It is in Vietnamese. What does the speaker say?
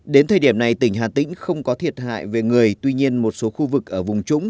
đến thời điểm này tỉnh hà tĩnh không có thiệt hại về người tuy nhiên một số khu vực ở vùng trũng